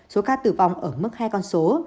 số ca tử vong ở mức hai con số